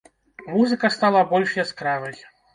Музыка стала больш яскравай.